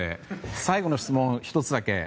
最後の質問、１つだけ。